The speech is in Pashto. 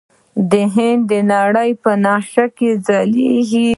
هند د نړۍ په نقشه کې ځلیږي.